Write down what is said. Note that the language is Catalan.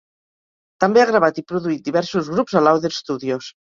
També ha gravat i produït diversos grups a Louder Studios.